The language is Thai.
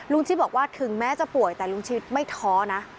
ชิดบอกว่าถึงแม้จะป่วยแต่ลุงชิดไม่ท้อนะ